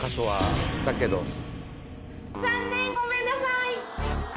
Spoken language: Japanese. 残念ごめんなさい